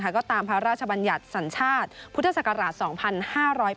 ก็ตามพระราชบัญญัติสัญชาติพุทธศักราช๒๕๐๘